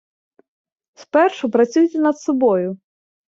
Спершу працюйте над собою.